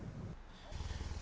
đây là cuộc sơ tán của iran